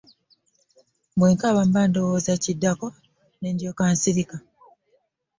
Bwe nkaaba mba ndowooza kiddako ne ndyoka nsirika.